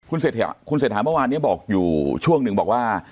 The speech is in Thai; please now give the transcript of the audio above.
คุณเสธหาคุณเสธหาเมื่อวานเนี้ยบอกอยู่ช่วงหนึ่งบอกว่า